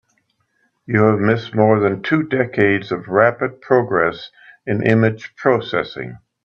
You have missed more than two decades of rapid progress in image processing.